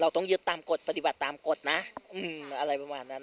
ต้องยึดตามกฎปฏิบัติตามกฎนะอะไรประมาณนั้น